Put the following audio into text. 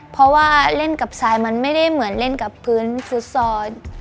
เพราะว่าเล่นกับทรายมันไม่ได้เหมือนเล่นกับพื้นฟุตซอล